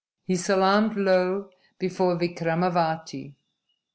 He salaamed low before Vikramavati.